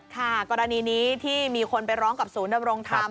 ค่ะกรณีนี้ที่มีคนไปร้องกับสูญนบรงธรรม